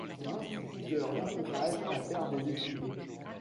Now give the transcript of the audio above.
Son instituteur l’encourage à faire des études.